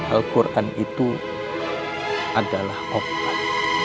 al quran itu adalah obat